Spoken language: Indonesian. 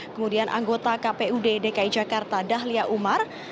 kemudian anggota kpud dki jakarta dahlia umar